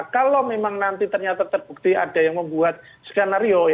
kalau memang nanti ternyata terbukti ada yang membuat skenario